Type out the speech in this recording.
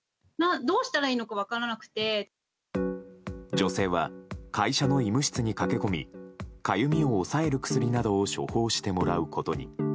女性は会社の医務室に駆け込みかゆみを抑える薬などを処方してもらうことに。